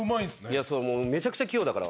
めちゃくちゃ器用だから。